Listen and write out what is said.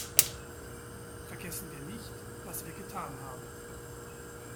Vergessen wir nicht, was wir getan haben.